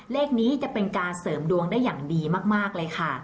เลขนี้จะเป็นการเสริมดวงได้อย่างดีมากเลยค่ะ